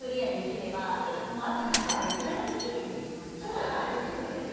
そうだよねできるもんね